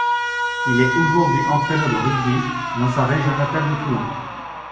Il est aujourd'hui entraîneur de rugby dans sa région natale de Toulon.